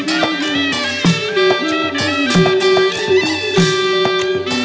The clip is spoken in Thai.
จังหว่ลงชะเบา